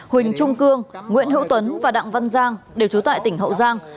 huỳnh trung cương nguyễn hữu tuấn và đặng văn giang đều trú tại tỉnh hậu giang